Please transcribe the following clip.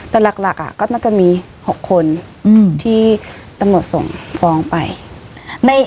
แต่หลักก็น่าจะมี๖คนที่ตำรวจส่งฟ้องไป